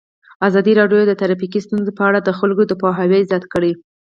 ازادي راډیو د ټرافیکي ستونزې په اړه د خلکو پوهاوی زیات کړی.